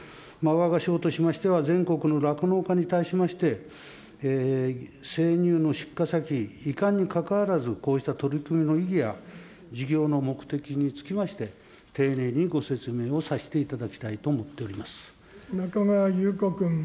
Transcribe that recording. わが省としましては、全国の酪農家に対しまして、生乳の出荷先いかんに関わらず、こうした取り組みの意義や事業の目的につきまして、丁寧にご説明をさせていただきたいと思ってお中川郁子君。